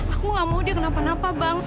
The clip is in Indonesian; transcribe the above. aku gak mau dia kenapa napa bang